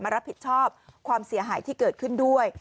รับผิดชอบความเสียหายที่เกิดขึ้นด้วย